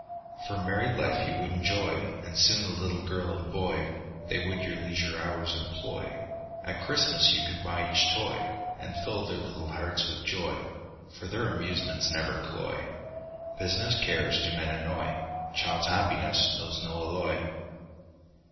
For married life you would enjoy, And soon a little girl and boy, They would your leisure hours employ, At Christmas you could buy each toy, And fill their little hearts with joy, For their amusements never cloy, Business cares do men annoy, Child's happiness knows no alloy.